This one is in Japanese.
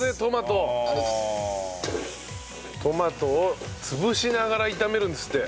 トマトを潰しながら炒めるんですって。